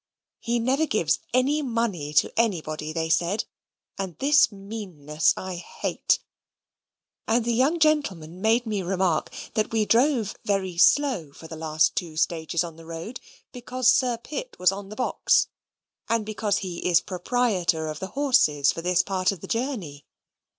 He never gives any money to anybody, they said (and this meanness I hate); and the young gentleman made me remark that we drove very slow for the last two stages on the road, because Sir Pitt was on the box, and because he is proprietor of the horses for this part of the journey.